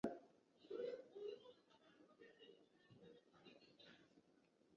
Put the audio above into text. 无色液体。